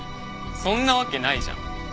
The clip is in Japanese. そんなわけないじゃん。